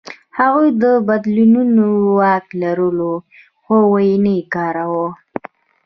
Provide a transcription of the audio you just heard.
هغوی د بدلونو واک لرلو، خو ونه یې کاراوه.